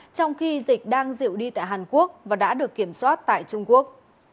trong khi dịch đang diệu đi tại hàn quốc và đã được kiểm soát tại trung quốc